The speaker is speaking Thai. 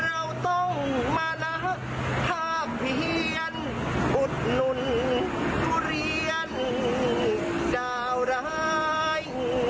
เราต้องมาละภาพเพียนอุดหนุนทุเรียนดาวร้าย